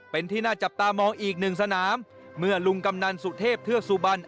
เป็นที่น่าจับตามองอีกหนึ่งสนามเมื่อลุงกำนันสุเทพเทือกสุบัน